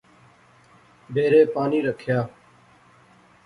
بیرے پانی رکھیا